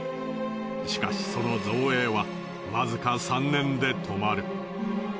しかしその造営はわずか３年で止まる。